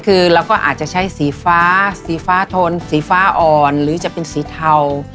คือเราก็อาจจะใช้สีฟ้าสีฟ้าทนสีฟ้าอ่อนหรือจะเป็นสีเทา